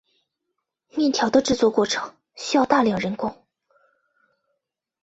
面条制作过程需要大量人工。